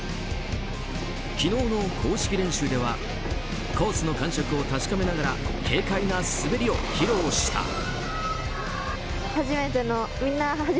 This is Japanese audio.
昨日の公式練習ではコースの感触を確かめながら軽快な滑りを披露した。